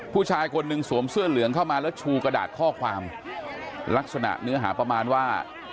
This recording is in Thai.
ผู้ชายคนหนึ่งสวมเสื้อเหลืองเข้ามาแล้วชูกระดาษข้อความลักษณะเนื้อหาประมาณว่า